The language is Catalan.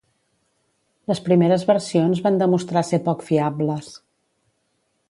Les primeres versions van demostrar ser poc fiables.